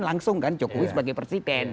langsung jokowi sebagai presiden